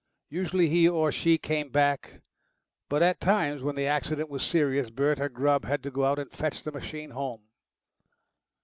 Usually he or she came back, but at times, when the accident was serious, Bert or Grubb had to go out and fetch the machine home.